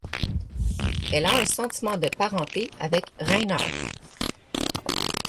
Elle a un sentiment de parenté avec Rainheart.